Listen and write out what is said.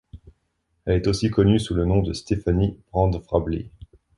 Elle est aussi connue sous le nom de Stephanie Brand-Vrabely.